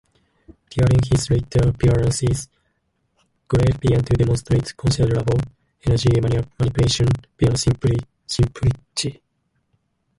During his later appearances, Grail began to demonstrate considerable energy manipulation beyond simple chi.